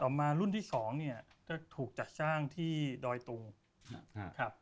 ต่อมารุ่นที่๒ถูกจัดสร้างที่ดอยตูงครับ